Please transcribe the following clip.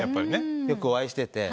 よくお会いしてて。